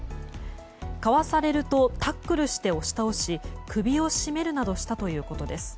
かわされるとタックルして押し倒し首を絞めるなどしたということです。